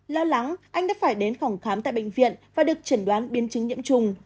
lo lắng anh đã phải đến phòng khám tại bệnh viện và được chẩn đoán biến chứng nhiễm trùng